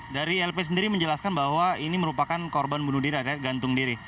dari lp sendiri menjelaskan bahwa ini merupakan korban bunuh diri gantung diri